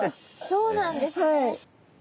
そうなんですね。